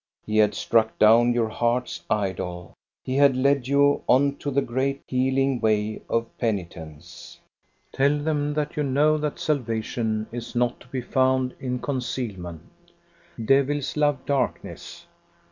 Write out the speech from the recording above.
He had struck down your heart's idol. He had led you on to the great, healing way of penitence. Tell them that you know that salvation is not to be found in concealment. Devils love darkness.